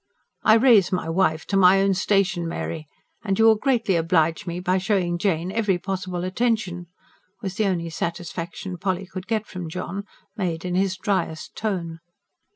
"I raise my wife to my own station, Mary. And you will greatly oblige me by showing Jane every possible attention," was the only satisfaction Polly could get from John, made in his driest tone.